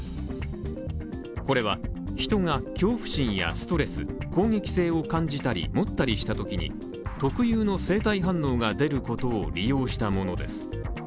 これは人が恐怖心やストレス、攻撃性を感じたりもったりしたときに特有の生体反応が出ることを利用したものです。